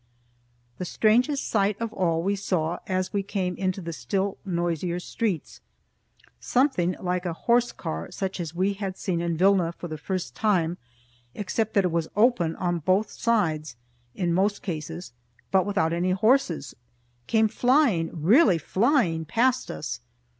The strangest sight of all we saw as we came into the still noisier streets. Something like a horse car such as we had seen in Vilna for the first time, except that it was open on both sides (in most cases) but without any horses, came flying really flying past us.